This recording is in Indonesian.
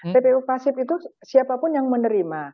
tpu pasif itu siapapun yang menerima